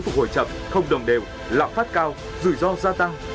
phục hồi chậm không đồng đều lạc phát cao rủi ro gia tăng